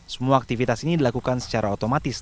semua aktivitas ini dilakukan secara otomatis